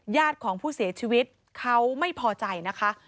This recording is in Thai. ญาติของผู้เสียชีวิตเขาไม่พอใจนะคะ